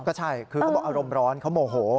ก็ใช่คือเขาบอกอารมณ์ร้อนเขาโมโห